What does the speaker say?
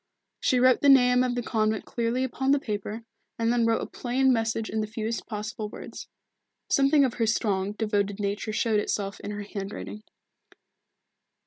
She wrote the name of the convent clearly upon the paper, and then wrote a plain message in the fewest possible words. Something of her strong, devoted nature showed itself in her handwriting.